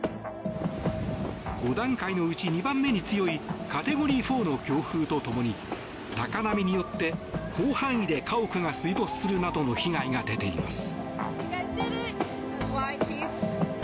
５段階のうち２番目に強いカテゴリー４の強風とともに高波によって広範囲で家屋が水没するなどの被害が出ています。